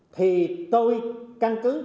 thì tôi căn cứ